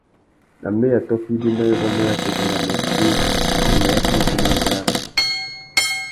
Nà mbeya tôkô ibî na yôbôt na yatsatu na môchï, watu iffundu wa tà idjima andjara rabú.